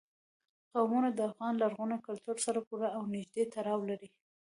قومونه د افغان لرغوني کلتور سره پوره او نږدې تړاو لري.